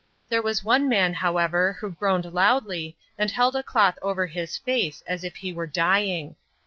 There was one man, however, who groaned loudly and held a cloth over his face as if he were dying.